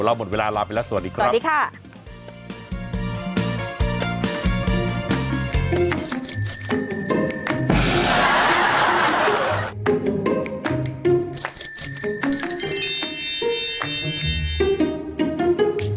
เราหมดเวลาลาไปแล้วสวัสดีครับ